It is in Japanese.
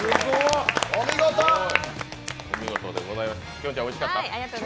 きょんちゃん、おいしかった？